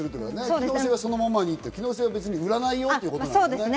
機能性は、そのままに別に機能性も売らないよってことだね。